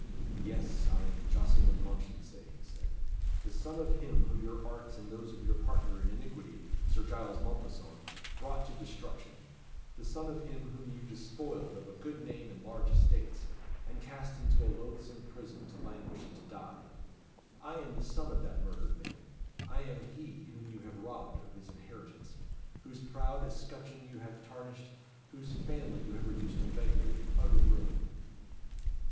"Yes, I am Jocelyn Mounchensey," he said, "the son of him whom your arts and those of your partner in iniquity, Sir Giles Mompesson, brought to destruction; the son of him whom you despoiled of a good name and large estates, and cast into a loathsome prison, to languish and to die: I am the son of that murdered man. I am he whom you have robbed of his inheritance; whose proud escutcheon you have tarnished; whose family you have reduced to beggary and utter ruin."